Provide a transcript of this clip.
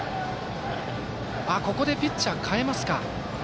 ここでピッチャー、代えますか。